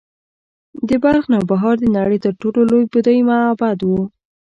د بلخ نوبهار د نړۍ تر ټولو لوی بودايي معبد و